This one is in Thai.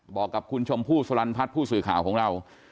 บอกกับคุณชมพู่สลันพัฒน์ผู้สื่อข่าวของเรา